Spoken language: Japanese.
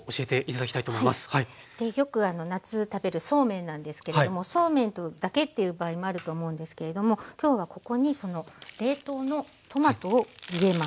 よく夏食べるそうめんなんですけれどもそうめんだけっていう場合もあると思うんですけれども今日はここに冷凍のトマトを入れます。